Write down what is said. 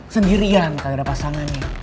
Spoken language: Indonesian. sendirian kalau ada pasangannya